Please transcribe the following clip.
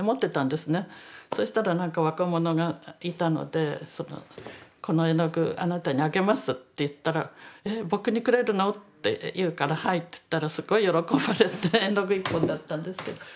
そしたら若者がいたので「この絵の具あなたにあげます」って言ったら「え僕にくれるの？」って言うから「はい」って言ったらすごい喜ばれて絵の具１本だったんですけど。